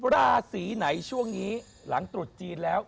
ราศีไหนช่วงนี้หลังตรุษจีนแล้ว